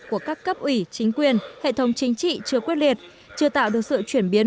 của các cấp ủy chính quyền hệ thống chính trị chưa quyết liệt chưa tạo được sự chuyển biến